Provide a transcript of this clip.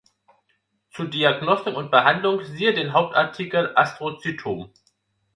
Zu Diagnostik und Behandlung siehe den Hauptartikel Astrozytom.